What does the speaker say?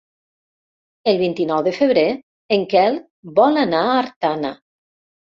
El vint-i-nou de febrer en Quel vol anar a Artana.